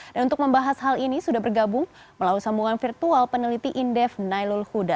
dan untuk membahas hal ini sudah bergabung melalui sambungan virtual peneliti indef nailul huda